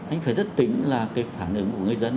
anh phải rất tính là cái phản ứng của người dân